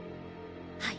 はい。